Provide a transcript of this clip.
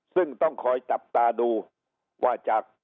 ซึ่งต้องคอยจับตาดูว่าจาก